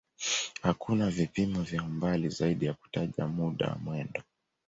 Hakuna vipimo vya umbali zaidi ya kutaja muda wa mwendo.